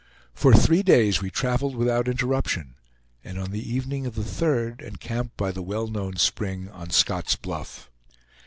For three days we traveled without interruption, and on the evening of the third encamped by the well known spring on Scott's Bluff.